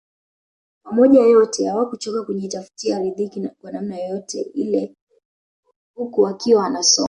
Pamoja na yote hawakuchoka kujitafutia ridhiki kwa namna yoyote ile huku wakiwa wanasoma